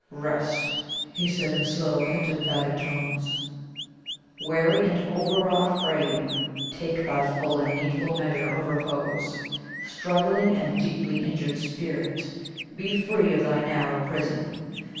"'Rest!' he said in slow and emphatic tones, 'Weary and overwrought frame, take thy full and needful measure of repose! Struggling and deeply injured spirit, be free of thy narrow prison!